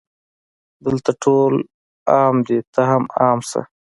دلته ټول عام دي ته هم عام شه